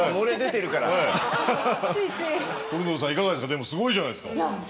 でもすごいじゃないですか。